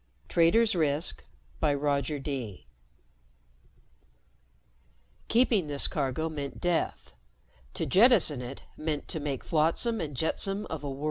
pgdp.net TRADERS RISK By ROGER DEE _Keeping this cargo meant death to jettison it meant to make flotsam and jetsam of a world!